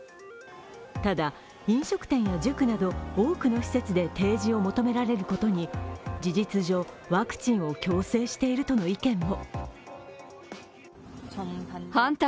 ただ、飲食店や塾など多くの施設で提示を求められることに事実上、ワクチンを強制しているとの意見も。